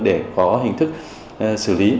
để có hình thức xử lý